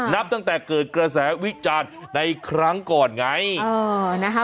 นับตั้งแต่เกิดกระแสวิจารณ์ในครั้งก่อนไง